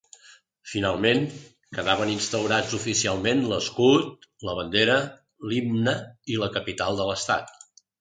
Finalment, quedaven instaurats oficialment l'escut, la bandera, l'himne i la capital de l'Estat.